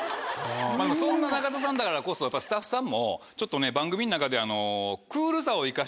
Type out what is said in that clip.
そんな中田さんだからこそスタッフさんもちょっと番組の中で。